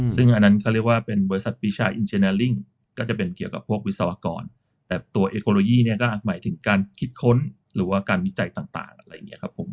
ซึ่งอันนั้นเขาเรียกว่าเป็นบริษัทปีชาอินเจเนลลิ่งก็จะเป็นเกี่ยวกับพวกวิศวกรแต่ตัวเอคโลยีเนี่ยก็หมายถึงการคิดค้นหรือว่าการวิจัยต่างอะไรอย่างนี้ครับผม